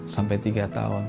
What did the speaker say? sampai tiga tahun